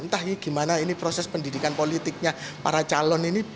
entah ini gimana ini proses pendidikan politiknya para calon ini